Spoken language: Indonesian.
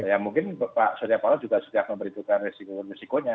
ya mungkin pak suryapalo juga sudah memberitukan resiko resikonya